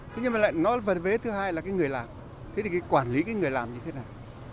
thế nhưng mà lại nói phần vế thứ hai là cái người làm thế thì cái quản lý cái người làm như thế nào